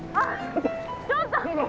ちょっと。